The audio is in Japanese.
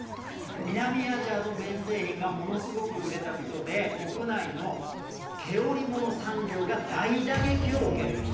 南アジアの綿製品がものすごく売れたことで国内の毛織物産業が大打撃を受けるんです。